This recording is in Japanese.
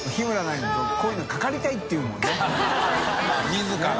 自ら。